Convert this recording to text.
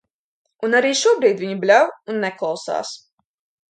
Un arī šobrīd viņi bļauj un neklausās.